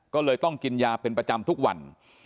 ก็เลยต้องกินยาเป็นประจำทุกวัน